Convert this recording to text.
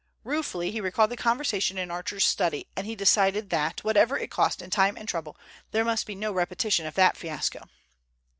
Ruefully he recalled the conversation in Archer's study, and he decided that, whatever it cost in time and trouble, there must be no repetition of that fiasco.